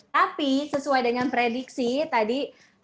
tapi sesuai dengan prediksi tadi